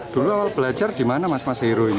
dulu awal belajar di mana mas mas heru ini